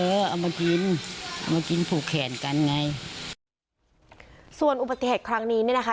เอามากินเอามากินผูกแขนกันไงส่วนอุบัติเหตุครั้งนี้เนี่ยนะคะ